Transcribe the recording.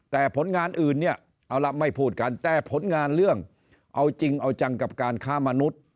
แต่ผลงานอื่นเนี่ยเอาละไม่พูดกันแต่ผลงานเรื่องเอาจริงเอาจังกับการค้ามนุษย์